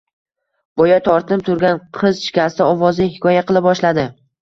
Boya tortinib turgan qiz shikasta ovozda hikoya qila boshladi